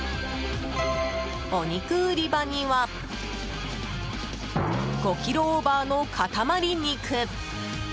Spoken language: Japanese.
お肉売り場には５ｋｇオーバーの塊肉。